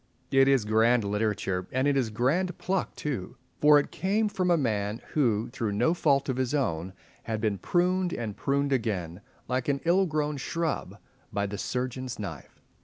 It is grand literature, and it is grand pluck too; for it came from a man who, through no fault of his own, had been pruned, and pruned again, like an ill grown shrub, by the surgeon's knife.